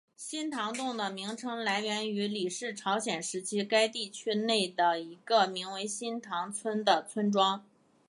新堂洞的名称来源于李氏朝鲜时期该地区内的一个名为新堂村的村庄。